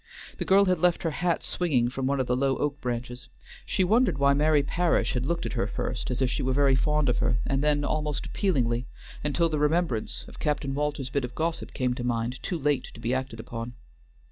The girl had left her hat swinging from one of the low oak branches; she wondered why Mary Parish had looked at her first as if she were very fond of her, and then almost appealingly, until the remembrance of Captain Walter's bit of gossip came to mind too late to be acted upon.